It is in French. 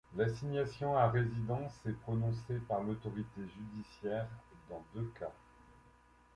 L’assignation à résidence est prononcée par l’autorité judiciaire dans deux cas.